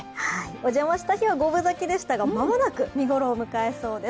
お邪魔した日は五分咲きでしたが間もなく見頃を迎えそうです。